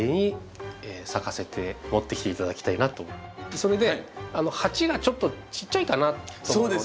それで鉢がちょっとちっちゃいかなと思うので。